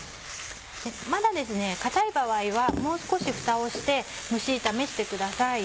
まだ硬い場合はもう少しふたをして蒸し炒めしてください。